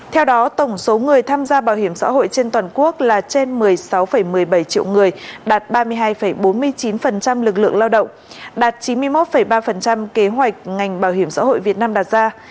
theo đó tổng số người tham gia bảo hiểm xã hội trên toàn quốc là trên một mươi sáu một mươi bảy triệu người đạt ba mươi hai bốn mươi chín lực lượng lao động đạt chín mươi một ba kế hoạch ngành bảo hiểm xã hội việt nam đặt ra